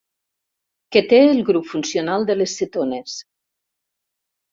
Que té el grup funcional de les cetones.